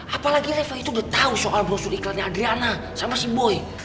apalagi reva itu udah tahu soal brosur iklannya adriana sama si boy